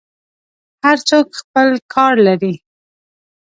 هر څوک خپل کار لري.